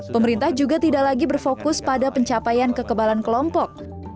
pemerintah juga tidak lagi berfokus pada pencapaian kekebalan kelompok